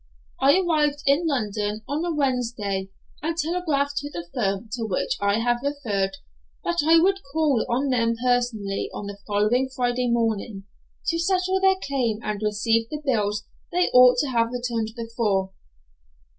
I arrived in London on a Wednesday, and telegraphed to the firm to which I have referred that I would call on them personally on the following Friday morning, to settle their claim and receive the bills they ought to have returned before.